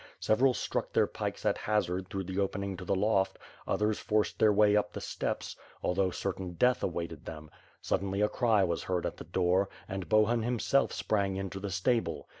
Several stuck their pikes at hazard through the opening to the loft; others forced their way up the steps, although certain death awaited them. Suddenly, a cry was heard at the door, and Bohun himself sprang into the stable.